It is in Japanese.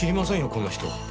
こんな人。